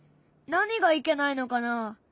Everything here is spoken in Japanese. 何がいけないのかな？